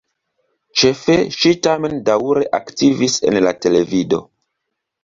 Ĉefe ŝi tamen daŭre aktivis en la televido.